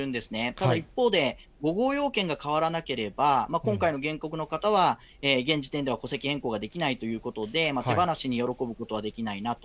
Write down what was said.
ただ、一方で、５号要件が変わらなければ、今回の原告の方は現時点では戸籍変更はできないということで、手放しに喜ぶことはできないなと。